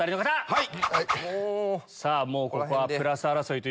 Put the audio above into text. はい！